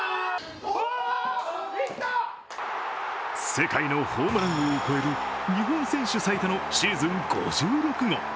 世界のホームラン王を超える日本選手最多のシーズン５６号。